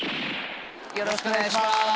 よろしくお願いします。